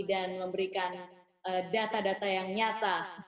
dan memberikan data data yang nyata